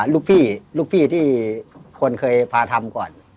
ลูกพี่ที่คนเคยพาทำก่อน